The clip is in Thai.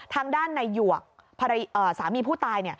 ทางด้านในหยวกสามีผู้ตาย